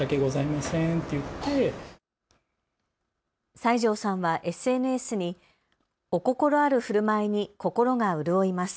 西條さんはＳＮＳにお心あるふるまいに心が潤います。